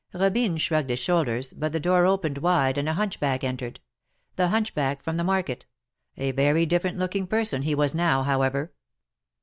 Robine shrugged his shoulders, but the door opened wide, and a hunchback entered — the hunchback from the market; a very different looking person he was now, however.